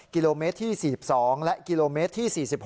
กิโลเมตรที่๔๒และกิโลเมตรที่๔๖